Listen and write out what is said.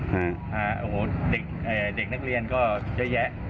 โอ้โหเด็กนักเรียนก็เยอะแยะ